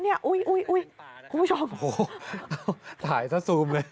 นี่อุ๊ยทุกผู้ชมว่ะโอ้โฮถ่ายซะซูมเลย